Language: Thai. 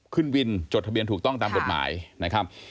ขึ้นวินจดทะเบียนถูกต้องตามกฎหมายนะครับ